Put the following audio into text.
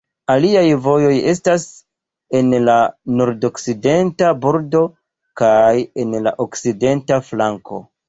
Aliaj vojoj estas en la nordokcidenta bordo kaj en la okcidenta flanko.